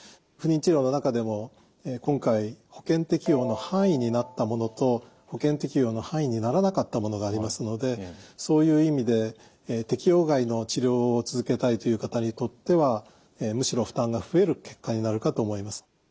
不妊治療の中でも今回保険適用の範囲になったものと保険適用の範囲にならなかったものがありますのでそういう意味で適用外の治療を続けたいという方にとってはむしろ負担が増える結果になるかと思います。